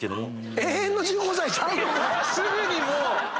すぐにもう！